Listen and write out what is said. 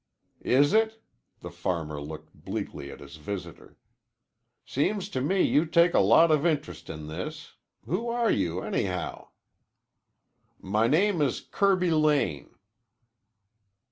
"Is it?" The farmer looked bleakly at his visitor. "Seems to me you take a lot of interest in this. Who are you, anyhow?" "My name is Kirby Lane."